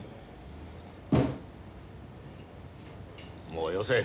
もうよせ。